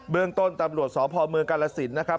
เรื่องต้นตำรวจสพเมืองกาลสินนะครับ